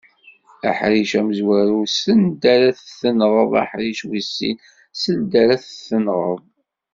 Aḥric amezwaru send ara t-tenɣeḍ, aḥric wis sin seld ara t-tenɣeḍ.